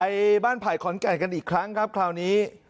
ไปบ้านไผ่ขอนแก่นกันอีกครั้งครับคราวนี้